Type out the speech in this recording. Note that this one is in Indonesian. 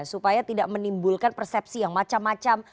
supaya tidak menimbulkan persepsi yang macam macam